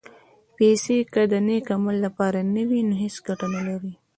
پېسې که د نېک عمل لپاره نه وي، نو هېڅ ګټه نه لري.